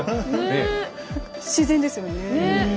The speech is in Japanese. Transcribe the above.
自然ですよね。